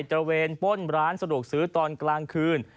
ระเวนป้นร้านสะดวกซื้อตอนกลางคืน